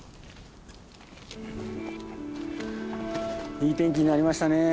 いい天気になりましたね。